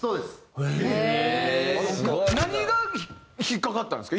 何が引っかかったんですか？